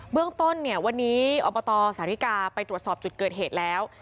เรื่องต้นเนี่ยวันนี้อบตสาธิกาไปตรวจสอบจุดเกิดเหตุแล้ว